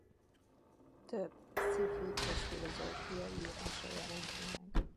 Több sci-fi és filozófiai írása jelent meg.